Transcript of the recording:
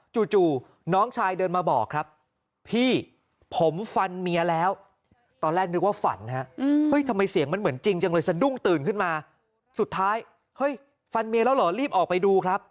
สุดท้ายเฮ้ยฟันเมียแล้วเหรอรีบออกไปดูครับ